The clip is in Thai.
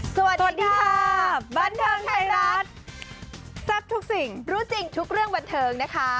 สวัสดีค่ะบันเทิงไทยรัฐแซ่บทุกสิ่งรู้จริงทุกเรื่องบันเทิงนะคะ